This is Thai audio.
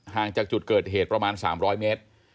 จากจุดเกิดเหตุประมาณ๓๐๐เมตร